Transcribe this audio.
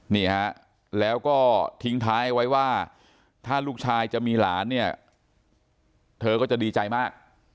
นี่ฮะแล้วก็ทิ้งท้ายเอาไว้ว่าถ้าลูกชายจะมีหลานเนี่ยเธอก็จะดีใจมาก